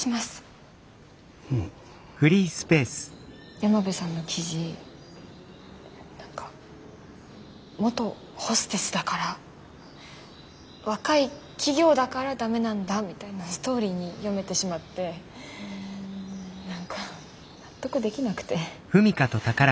山辺さんの記事何か元ホステスだから若い企業だからダメなんだみたいなストーリーに読めてしまって何か納得できなくて。